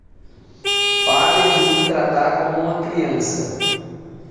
Pare de me tratar como uma criança.